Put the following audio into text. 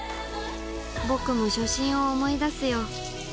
僕も初心を思い出すよ